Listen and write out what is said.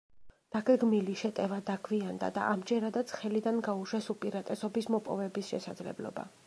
დაგეგმილი შეტევა დაგვიანდა და ამჯერადაც ხელიდან გაუშვეს უპირატესობის მოპოვების შესაძლებლობა.